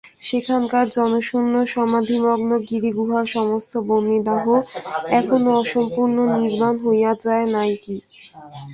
সেখানকার জনশূন্য সমাধিমগ্ন গিরিগুহার সমস্ত বহ্নিদাহ এখনো সম্পূর্ণ নির্বাণ হইয়া যায় নাই কি।